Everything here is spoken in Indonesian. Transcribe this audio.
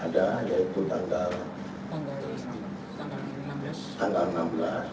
ada yaitu tanggal enam belas